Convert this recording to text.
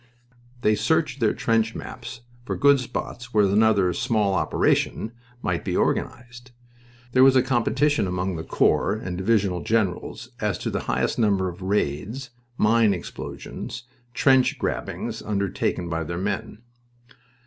They searched their trench maps for good spots where another "small operation" might be organized. There was a competition among the corps and divisional generals as to the highest number of raids, mine explosions, trench grabbings undertaken by their men.